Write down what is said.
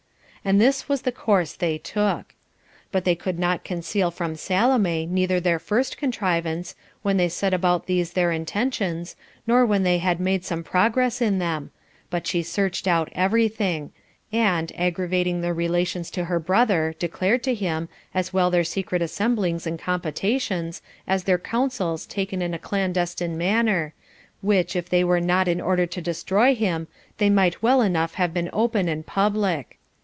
And this was the course they took. But they could not conceal from Salome neither their first contrivance, when they set about these their intentions, nor when they had made some progress in them; but she searched out every thing; and, aggravating the relations to her brother, declared to him, as well their secret assemblies and compotations, as their counsels taken in a clandestine manner, which if they were not in order to destroy him, they might well enough have been open and public.